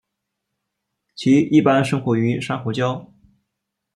其一般生活于珊瑚礁。